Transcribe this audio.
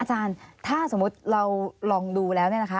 อาจารย์ถ้าสมมุติเราลองดูแล้วเนี่ยนะคะ